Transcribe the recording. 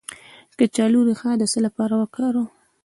د کچالو ریښه د څه لپاره وکاروم؟